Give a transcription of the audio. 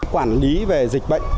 quản lý về dịch bệnh